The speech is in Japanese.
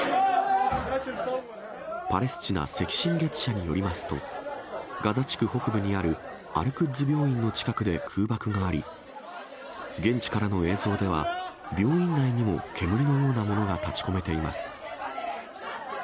パレスチナ赤新月社によりますと、ガザ地区北部にあるアルクッズ病院の近くで空爆があり、現地からの映像では、病院内にも煙のようなものが立ちこめています。